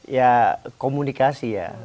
ya komunikasi ya